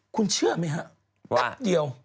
คุณเชื่อไหมฮะแป๊บเดียว